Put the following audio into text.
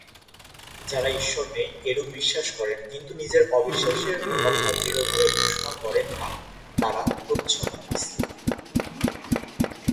যারা ঈশ্বর নেই, এরুপ বিশ্বাস করেন কিন্তু নিজের অ-বিশ্বাসের কথা দৃঢ়ভাবে ঘোষণা করেন না, তারা "প্রচ্ছন্ন নাস্তিক"।